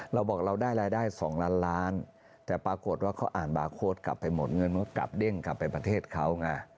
เราบอกเราได้รายได้๒ล้านล้านแต่ปรากฏว่าเขาอ่านบาร์โค้ดกลับไปหมดเงินมันก็กลับเด้งกลับไปประเทศเขาไง